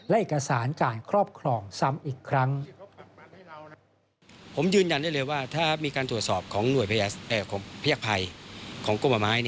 และเอกสารการครอบครองซ้ำอีกครั้ง